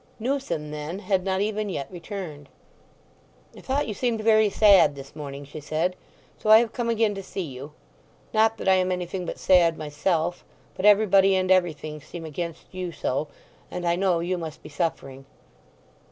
Newson, then, had not even yet returned. "I thought you seemed very sad this morning," she said, "so I have come again to see you. Not that I am anything but sad myself. But everybody and everything seem against you so, and I know you must be suffering."